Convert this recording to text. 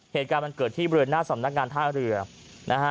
เหตุการณ์มันเกิดที่บริเวณหน้าสำนักงานท่าเรือนะฮะ